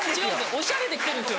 おしゃれできてるんです。